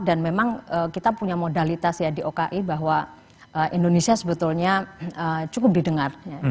dan memang kita punya modalitas ya di oki bahwa indonesia sebetulnya cukup didengar